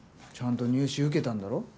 ちゃんと入試受けたんだろ。